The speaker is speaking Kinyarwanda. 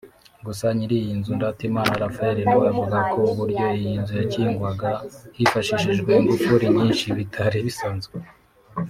Gusa nyiri iyi nzu Ndatimana Raphaël nawe avuga ko uburyo iyi nzu yakingwaga hifashishijwe ingufuri nyinshi bitari bisanwzwe